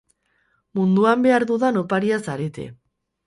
Munduan behar dudan oparia zarete.